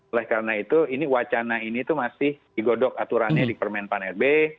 oleh karena itu ini wacana ini itu masih digodok aturannya di permen pan rb